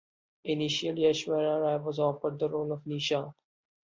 Initially, Aishwarya Rai was offered the role of Nisha.